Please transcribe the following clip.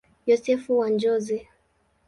Yosefu wa Njozi.